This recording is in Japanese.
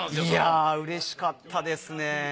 いやぁうれしかったですね。